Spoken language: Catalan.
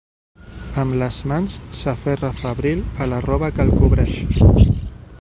Amb les mans, s'aferra febril a la roba que el cobreix.